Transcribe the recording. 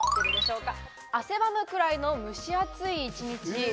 汗ばむくらいのムシ暑い１日。